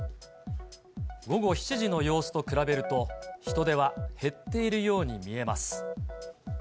午後７時の様子と比べると、人出は減っているように見えます。